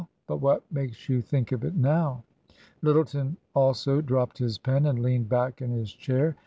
But what makes you think of it now ?" Lyttleton also dropped his pen and leaned back in his chair.